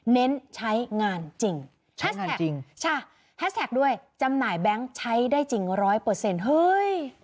เน้นใช้งานจริงแฮชแท็กจริงค่ะแฮชแท็กด้วยจำหน่ายแบงค์ใช้ได้จริงร้อยเปอร์เซ็นต์เฮ้ย